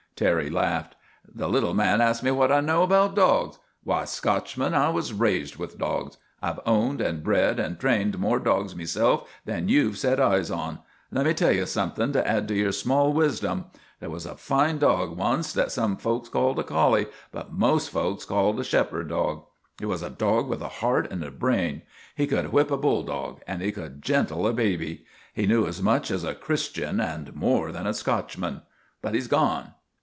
Terry laughed. " The little man asks me what I know about dogs ! Why, Scotchman, I was raised with dogs. I 've owned and bred and trained more dogs meself than you 've set eyes on. Let me tell ye something to add to your small wisdom. There was a fine dog wanst that some folks called a collie, but most folks called a shepherd dog. He was a dog with a heart and a brain. He could \vhip a bulldog and he could gentle a baby. He knew as much as a Christian and more than a Scotchman. But he 's gone.